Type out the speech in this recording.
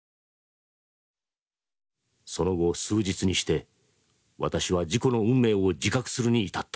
その後数日にして私は自己の運命を自覚するに至った。